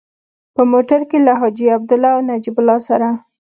په موټر کې له حاجي عبدالله او نجیب الله سره.